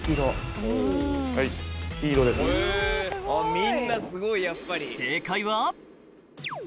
みんなすごいやっぱり。